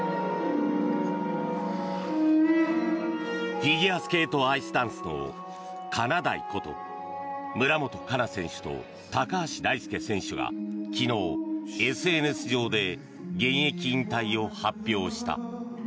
フィギュアスケートアイスダンスのかなだいこと村元哉中選手と高橋大輔選手が昨日、ＳＮＳ上で現役引退を発表した。